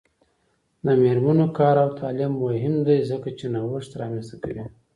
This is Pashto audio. د میرمنو کار او تعلیم مهم دی ځکه چې نوښت رامنځته کوي.